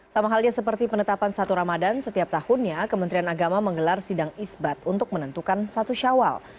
sama halnya seperti penetapan satu ramadhan setiap tahunnya kementerian agama menggelar sidang isbat untuk menentukan satu syawal